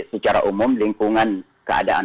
secara umum lingkungan keadaan